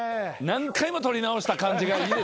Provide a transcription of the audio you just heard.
何回も撮り直した感じがいい。